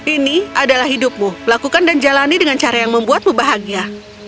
ini adalah hidupmu lakukan dan jalani dengan cara yang membuatmu bahagia